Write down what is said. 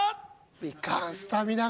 いかんスタミナが。